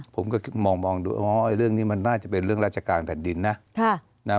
ผมก็มองดูอ๋อเรื่องนี้มันน่าจะเป็นเรื่องราชการแผ่นดินนะ